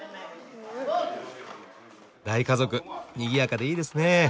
大家族にぎやかでいいですね。